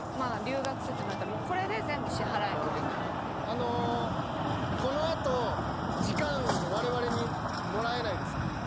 あのこのあと時間我々にもらえないですか？